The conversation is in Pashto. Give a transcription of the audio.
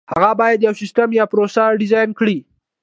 هغه باید یو سیسټم یا پروسه ډیزاین کړي.